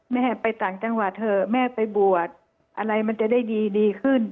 แม่ไปต่างจังหวัดเถอะแม่ไปบวชอะไรมันจะได้ดีขึ้น